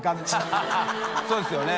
そうですよね。